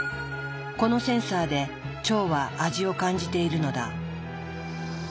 このセンサーで腸は味を感じているのだ。